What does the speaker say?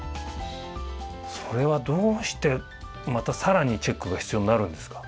それはどうしてまた更にチェックが必要になるんですか？